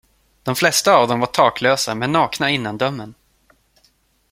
De flesta av dem var taklösa med nakna innandömen.